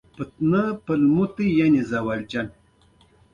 خو زما پلار جهاد ته راغلى و.